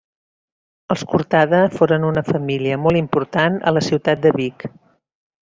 Els Cortada foren una família molt important a la ciutat de Vic.